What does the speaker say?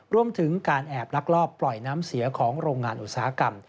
รวมถึงการแอบลักลอบปล่อยน้ำเสียของโรงงานอุตสาหกรรม